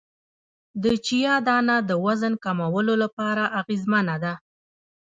د چیا دانه د وزن کمولو لپاره اغیزمنه ده